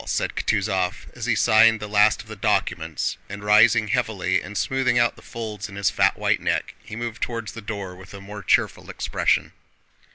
said Kutúzov as he signed the last of the documents, and rising heavily and smoothing out the folds in his fat white neck he moved toward the door with a more cheerful expression.